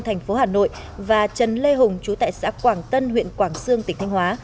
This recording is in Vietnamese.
thành phố hà nội và trần lê hùng chú tại xã quảng tân huyện quảng sương tỉnh thanh hóa